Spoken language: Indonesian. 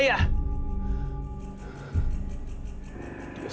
apa video tersebut